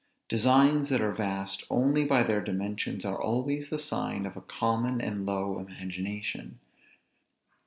Designs that are vast only by their dimensions are always the sign of a common and low imagination.